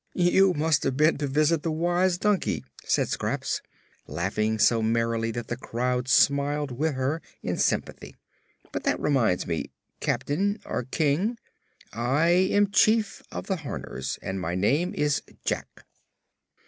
"You must have been to visit the Wise Donkey," said Scraps, laughing so merrily that the crowd smiled with her, in sympathy. "But that reminds me, Captain or King " "I am Chief of the Horners, and my name is Jak."